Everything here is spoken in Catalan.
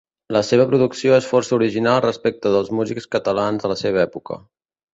La seva producció és força original respecte dels músics catalans de la seva època.